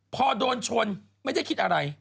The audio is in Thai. พอโดนชนไม่ได้คิดอะไร